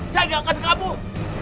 saya gak akan kabur